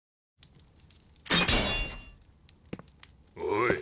おい